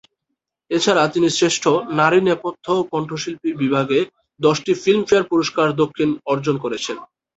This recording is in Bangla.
এছাড়া তিনি শ্রেষ্ঠ নারী নেপথ্য কণ্ঠশিল্পী বিভাগে দশটি ফিল্মফেয়ার পুরস্কার দক্ষিণ অর্জন করেছেন।